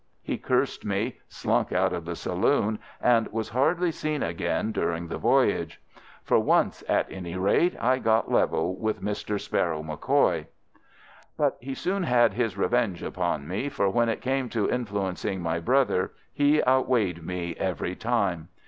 He cursed me, slunk out of the saloon, and was hardly seen again during the voyage. For once, at any rate, I got level with Mister Sparrow MacCoy. "But he soon had his revenge upon me, for when it came to influencing my brother he outweighed me every time.